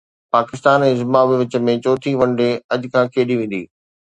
Pakistan ۽ Zimbabwe وچ ۾ چوٿين one day اڄ کيڏي ويندي